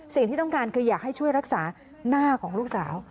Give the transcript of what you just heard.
สิ่งที่ต้องการคืออยากให้ช่วยรักษาหน้าของลูกสาว